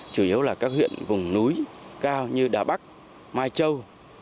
chủ yếu là các huyện vùng núi cao như đà bắc mai châu